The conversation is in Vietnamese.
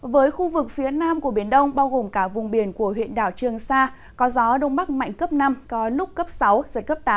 với khu vực phía nam của biển đông bao gồm cả vùng biển của huyện đảo trường sa có gió đông bắc mạnh cấp năm có lúc cấp sáu giật cấp tám